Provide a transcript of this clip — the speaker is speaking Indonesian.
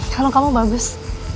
kalau kamu bagus